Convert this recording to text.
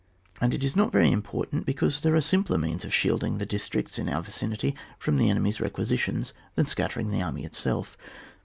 And it is not very important, because there are simpler means of shielding the districts in our vicinity from the enemy's requisitions than scattering the army itself.